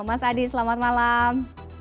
mas adi selamat malam